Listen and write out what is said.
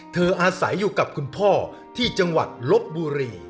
อาศัยอยู่กับคุณพ่อที่จังหวัดลบบุรี